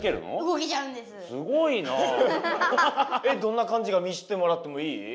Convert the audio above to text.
えっどんなかんじか見してもらってもいい？